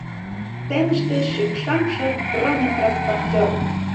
Сценыште — шикшаҥше бронетранспортёр.